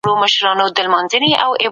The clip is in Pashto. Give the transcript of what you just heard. توند ږغ واټن زياتوي